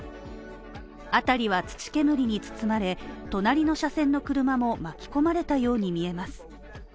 あたりは土煙に包まれ、隣の車線の車も巻き込まれたように見えます